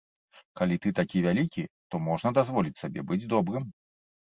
Калі ты такі вялікі, то можна дазволіць сабе быць добрым.